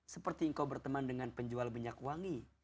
seperti engkau berteman dengan penjual minyak wangi